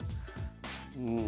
うん。